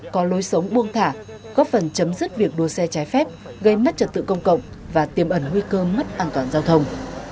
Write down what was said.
có lối sống buông thả góp phần chấm dứt việc đua xe trái phép gây mất trật tự công cộng và tiêm ẩn nguy cơ mất an toàn giao thông